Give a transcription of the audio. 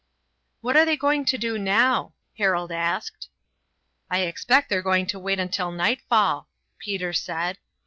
"What are they going to do now?" Harold asked. "I expect they're going to wait till nightfall," Peter said.